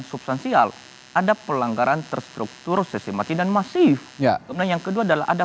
substansial ada pelanggaran terstruktur sistemati dan masif kemudian yang kedua adalah ada